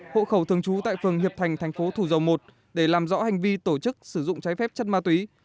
hộ khẩu thường trú tại phường hiệp thành thành phố thủ dầu một để làm rõ hành vi tổ chức sử dụng trái phép chất ma túy